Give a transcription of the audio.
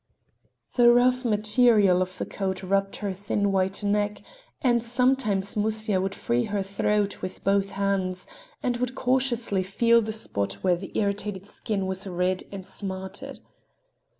The rough material of the coat rubbed her thin white neck, and sometimes Musya would free her throat with both hands and would cautiously feel the spot where the irritated skin was red and smarted.